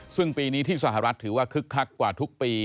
ซึ่งปีนี้ที่สหรัฐถือว่าคึกคักกว่าทุกปี